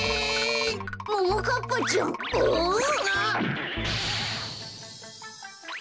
ももかっぱちゃんあ！